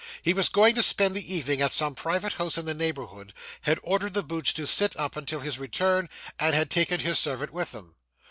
He was going to spend the evening at some private house in the neighbourhood, had ordered the boots to sit up until his return, and had taken his servant with him.